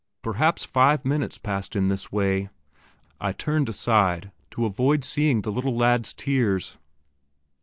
Perhaps five minutes passed in this way. I turned aside to avoid seeing the little lad's tears.